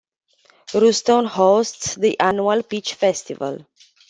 Ruston hosts the annual Peach Festival.